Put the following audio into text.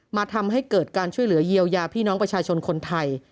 ทำให้เกิดการช่วยเหลือเยียวยาพี่น้องประชาชนคนไทย